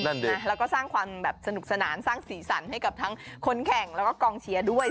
แล้วก็สร้างความแบบสนุกสนานสร้างสีสันให้กับทั้งคนแข่งแล้วก็กองเชียร์ด้วย